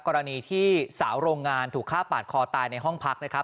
กรณีที่สาวโรงงานถูกฆ่าปาดคอตายในห้องพักนะครับ